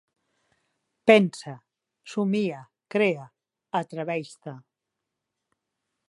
Pensa, somia, crea, atreveix-te.